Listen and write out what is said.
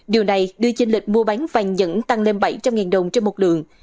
điều này đưa chinh lịch mua bán vàng dẫn tăng lên bảy trăm linh đồng trong một lượng